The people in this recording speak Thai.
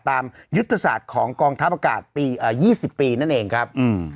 ตามยุทธศาสตร์ของกองทัพอากาศปี๒๐ปีนั่นเองครับ